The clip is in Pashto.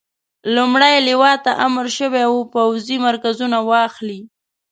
لومړۍ لواء ته امر شوی وو پوځي مرکزونه واخلي.